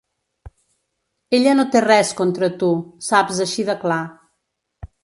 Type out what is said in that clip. Ella no té res contra tu, saps així de clar.